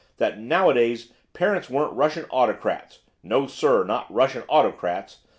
that, nowadays, parents weren't Russian autocrats no, sir, not Russian autocrats!